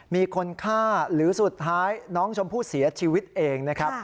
มีคนฆ่าหรือสุดท้ายน้องชมพู่เสียชีวิตเองนะครับ